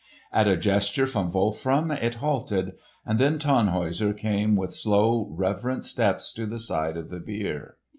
At a gesture from Wolfram it halted; and then Tannhäuser came with slow, reverent steps to the side of the bier.